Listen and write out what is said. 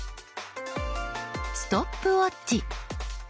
ストップウォッチ。